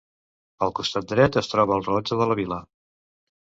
Al costat dret es troba el rellotge de la vila.